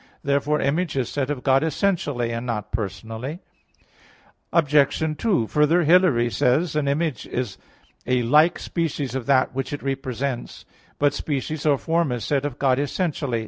Therefore Image is said of God essentially, and not personally. Obj. 2: Further, Hilary says (De Synod.): "An image is a like species of that which it represents." But species or form is said of God essentially.